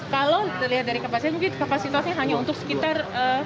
kalau dilihat dari kapasitas mungkin kapasitasnya hanya untuk sekitar